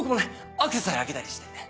アクセサリーあげたりして。